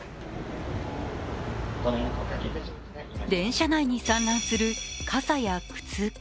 電車内に散乱する傘や靴。